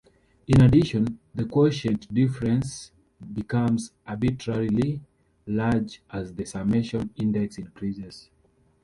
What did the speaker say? In addition, the quotient difference becomes arbitrarily large as the summation index increases.